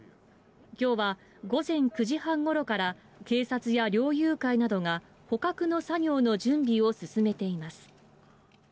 きょうは午前９時半ごろから警察や猟友会などが捕獲の作業の準備を進めています。